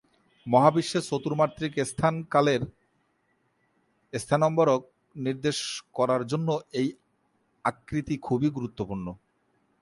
মহাবিশ্বের চতুর্মাত্রিক স্থান-কালের স্থানম্বরক নির্দেশ করার জন্য এই আকৃতি খুব গুরুত্বপূর্ণ।